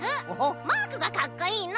マークがかっこいいの！